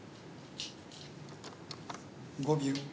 ５秒。